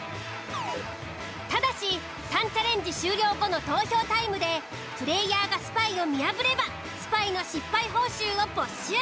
ただし３チャレンジ終了後の投票タイムでプレイヤーがスパイを見破ればスパイの失敗報酬を没収。